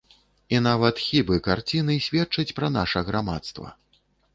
І нават хібы карціны сведчаць пра наша грамадства.